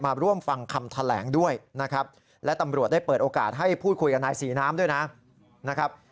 บอกว่าเป็นคนลงมือฆ่าเจ๊แดงนะครับ